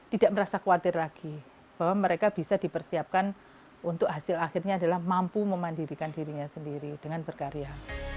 tidak merasa khawatir lagi bahwa mereka bisa dipersiapkan untuk hasil akhirnya adalah mampu memandirikan dirinya sendiri dengan berkarya